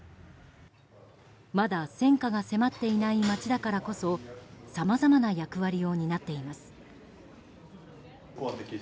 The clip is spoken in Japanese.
まだ戦火が迫っていない街だからこそさまざまな役割を担っています。